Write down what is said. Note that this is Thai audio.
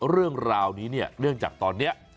เรื่องราวนี้เนี่ยเนื่องจากตอนนี้